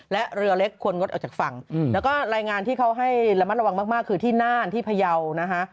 และเรือเล็กควรงดออกจากฝั่งแล้วก็รายงานที่เขาให้ระมัดระวังมากคือที่น่านที่พยาวนะคะ